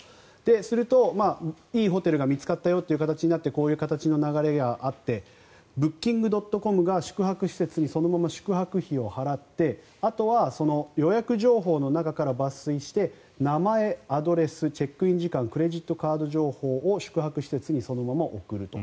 すると、いいホテルが見つかったよという形になってこういう形の流れがあってブッキングドットコムが宿泊施設にそのまま宿泊費を払ってあとは予約情報の中から抜粋して名前、アドレスチェックイン時間クレジットカード情報を宿泊施設にそのまま送ると。